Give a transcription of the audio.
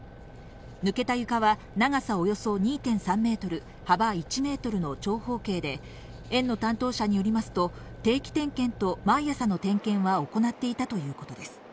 抜けた床は、長さおよそ２．３ｍ、幅１ｍの長方形で、園の担当者によりますと、定期点検と毎朝の点検は行っていたということです。